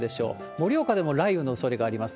盛岡でも雷雨のおそれがあります。